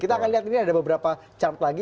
kita akan lihat ini ada beberapa caleg lagi